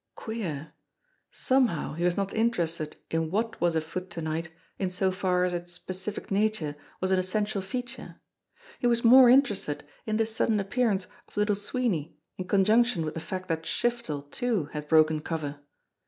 Queer! Somehow, he was not interested in wliat was afoot to night in so far as its specific nature was an essential feature. He was more interested in this sudden appearance of Little Sweeney in conjunction with the fact that Shiftel, too, had broken cover.